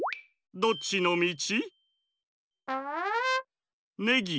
どっちのみち？